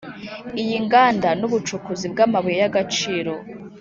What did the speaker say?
iy'inganda, n'ubucukuzi bw'amabuye y'agaciro,